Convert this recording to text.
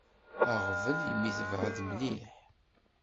Aɣbel imi tebεed mliḥ.